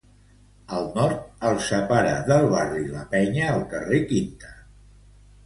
Al nord el separa del barri La Peña el carrer Quinta.